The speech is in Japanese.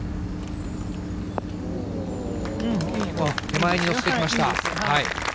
手前に乗せてきました。